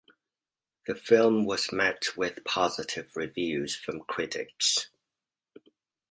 The film was met with positive reviews from critics.